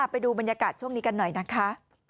ไปดูบรรยากาศช่วงนี้กันหน่อยนะคะ